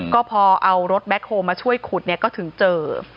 ก็พอเอารถแบ็คโฮลมาช่วยขุดเนี่ยก็ถึงเจอ